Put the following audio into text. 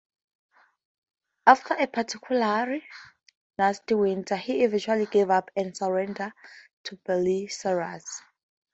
After a particularly nasty winter, he eventually gave up and surrendered to Belisarius.